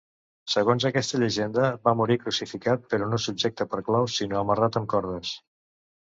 Segons aquesta llegenda, va morir crucificat però no subjecte per claus sinó amarrat amb cordes.